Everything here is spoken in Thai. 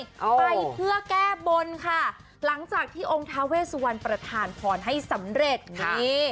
ไปเพื่อแก้บนค่ะหลังจากที่องค์ทาเวสวันประธานพรให้สำเร็จนี่